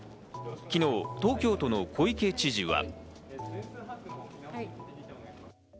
昨日、東京都の小池知事は。